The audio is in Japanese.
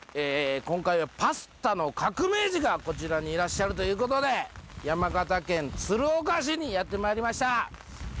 今回はパスタの革命児がこちらにいらっしゃるということで山形県鶴岡市にやってまいりました